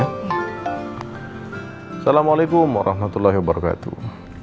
assalamualaikum warahmatullahi wabarakatuh